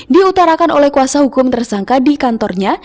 diutarakan oleh kuasa hukum tersangka di kantornya